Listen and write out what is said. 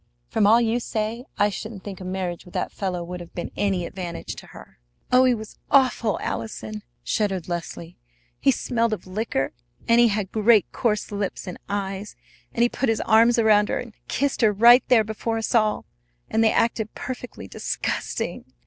From all you say I shouldn't think a marriage with that fellow would have been any advantage to her." "Oh, he was awful, Allison!" shuddered Leslie. "He smelled of liquor; and he had great, coarse lips and eyes; and he put his arms around her, and kissed her right there before us all; and they acted perfectly disgusting!